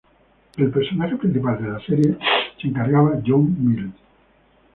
Del personaje principal de la serie se encargaba John Mills.